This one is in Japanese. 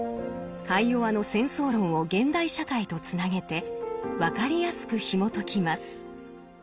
カイヨワの「戦争論」を現代社会とつなげて分かりやすくひもときます。